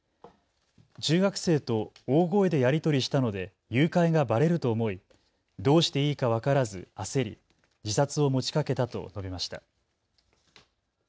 中学生と大声でやり取りしたので誘拐がばれると思い、どうしていいか分からず焦り自殺を持ちかけたと述べました。